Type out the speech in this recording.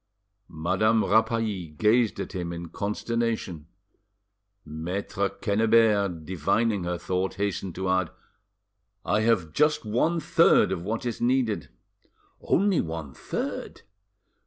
Madame Rapally gazed at him in consternation. Maitre Quennebert, divining her thought, hastened to add— "I have just one third of what is needed." "Only one third?"